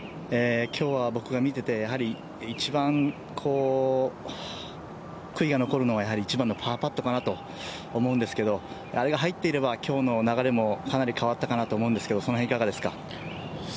今日は僕が見ていて一番、悔いが残るのは１番のパーパットかなと思うんですけどあれが入っていれば今日の流れもかなり変わったかなと思うんですがその辺、いかがですか？